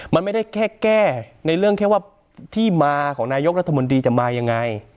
มันไม่ได้แค่แก้ในเรื่องแค่ว่าที่มาของนายกรัฐมนตรีจะมายังไง